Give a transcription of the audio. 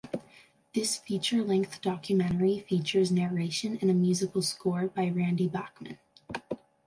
This feature-length documentary features narration and a musical score by Randy Bachman.